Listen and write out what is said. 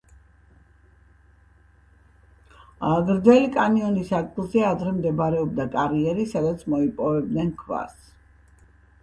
გრძელი კანიონის ადგილზე ადრე მდებარეობდა კარიერი, სადაც მოიპოვებდნენ ქვას.